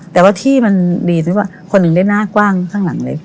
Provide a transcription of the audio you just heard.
แต่ว่าที่มันดีที่ว่าคนหนึ่งได้หน้ากว้างข้างหลังเลย